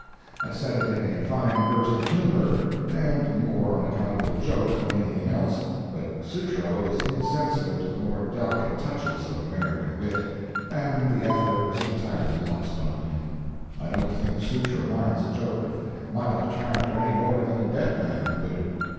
I said it in a fine burst of humor and more on account of the joke than anything else, but Sutro is insensible to the more delicate touches of American wit, and the effort was entirely lost on him. I don't think Sutro minds a joke of mild character any more than a dead man would.